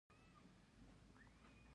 بلکې د هغو لپاره کار کوم دا حقیقت دی.